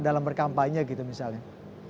dalam berkampanye gitu misalnya